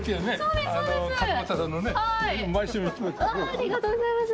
ありがとうございます！